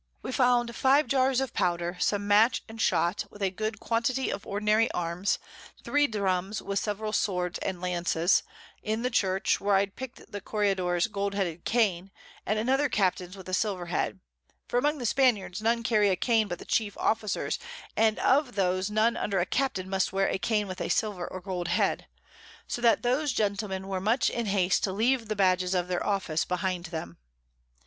We found 5 Jars of Powder, some Match and Shot, with a good Quantity of ordinary Arms, 3 Drums, with several Swords and Launces, in the Church, where I pick'd up the Corregidore's Gold headed Cane, and another Captain's with a Silver Head; for among the Spaniards none carry a Cane but the chief Officers, and of those none under a Captain must wear a Cane with a Silver or Gold Head: So that those Gentlemen were much in haste to leave the Badges of their Office behind them.